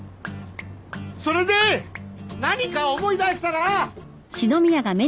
それで何か思い出したら。